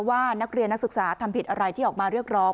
ว่านักเรียนนักศึกษาทำผิดอะไรที่ออกมาเรียกร้อง